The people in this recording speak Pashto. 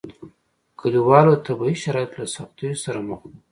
کلیوالو د طبیعي شرایطو له سختیو سره مخ وو.